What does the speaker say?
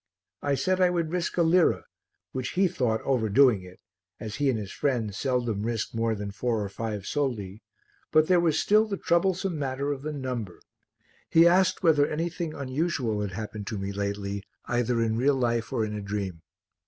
I said I would risk a lira, which he thought overdoing it, as he and his friends seldom risked more than four or five soldi, but there was still the troublesome matter of the number. He asked whether anything unusual had happened to me lately, either in real life or in a dream.